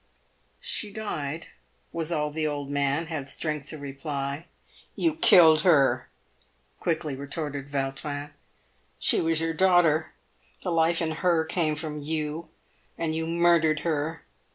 " She died," was all the old man had strength to reply. "You killed her," quickly retorted Yautrin. "She was your daughter. The life in her came from you, and you murdered her.